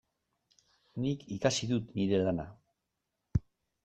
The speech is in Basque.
Nik ikasi dut nire lana.